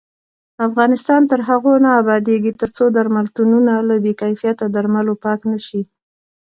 افغانستان تر هغو نه ابادیږي، ترڅو درملتونونه له بې کیفیته درملو پاک نشي.